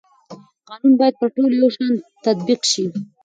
قانون باید پر ټولو یو شان تطبیق شي